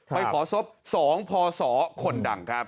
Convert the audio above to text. ไปขอศพ๒พศคนดังครับ